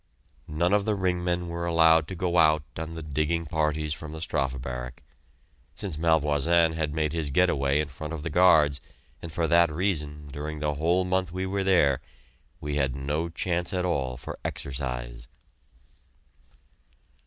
None of the ring men were allowed to go out on the digging parties from the Strafe Barrack, since Malvoisin had made his get away in front of the guards, and for that reason, during the whole month we were there, we had no chance at all for exercise.